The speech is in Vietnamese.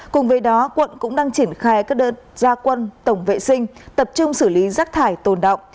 cùng với đó quận cũng đang triển khai các đợt gia quân tổng vệ sinh tập trung xử lý rác thải tồn động